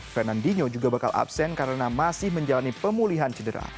fernandinho juga bakal absen karena masih menjalani pemulihan cedera